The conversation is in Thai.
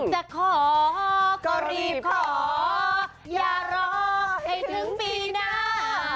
จะขอก็รีบขออย่ารอให้ถึงปีหน้า